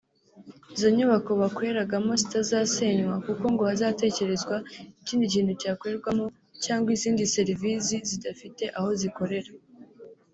izo nyubako bakoreragamo zitazasenywa kuko ngo hazatekerezwa ikindi kintu cyakorerwamo cyangwa izindi serivizi zidafite aho zikorera